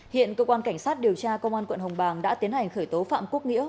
hiện cơ quan cảnh sát điều tra công an quận hồng bàng đã tiến hành khởi tố phạm quốc nghĩa